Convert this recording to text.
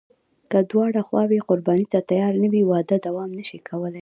که دواړه خواوې قرباني ته تیارې نه وي، واده دوام نشي کولی.